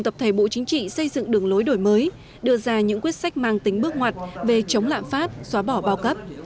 tập thể bộ chính trị xây dựng đường lối đổi mới đưa ra những quyết sách mang tính bước ngoặt về chống lạm phát xóa bỏ bao cấp